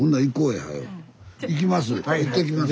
行きます。